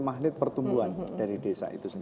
magnet pertumbuhan dari desa itu sendiri